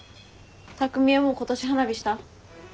匠はもう今年花火した？